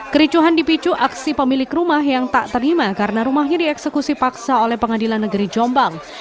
kericuhan dipicu aksi pemilik rumah yang tak terima karena rumahnya dieksekusi paksa oleh pengadilan negeri jombang